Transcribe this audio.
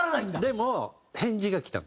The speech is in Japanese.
でも返事が来た。